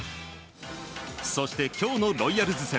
そして、今日のロイヤルズ戦。